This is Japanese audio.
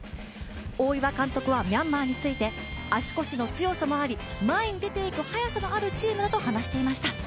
大岩監督はミャンマーについて足腰の強さもあり、前に出ていく速さのあるチームだと話していました。